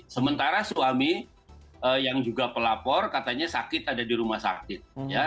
sementara suami yang juga pelapor katanya sakit ada di rumah sakit